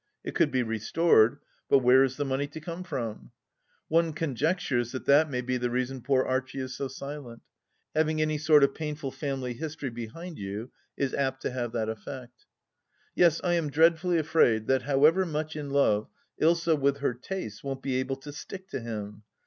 It could be restored, but where is the money to come from ?... One conjectures that that may be the reason poor Archie is so silent ? Having any sort of painful family history behind you is apt to have that effect. Yes, I am dreadfully afraid that, however much in love, Ilsa, with her tastes, won't be able to stick to him.